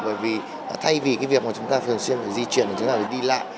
bởi vì thay vì cái việc mà chúng ta thường xuyên phải di chuyển để chúng ta phải đi lại